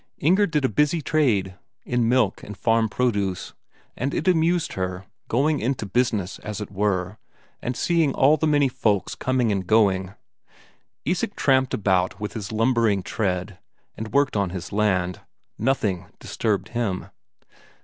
Inger did a busy trade in milk and farm produce, and it amused her going into business, as it were, and seeing all the many folk coming and going. Isak tramped about with his lumbering tread, and worked on his land; nothing disturbed him.